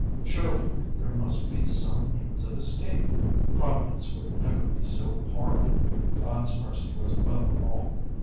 Surely there must be some means of escape! Providence would never be so hard! God's mercy was above all.